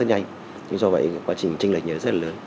nhưng do vậy quá trình trinh lệch nhiệt rất là lớn